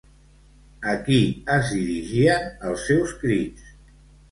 A qui es dirigien els seus crits?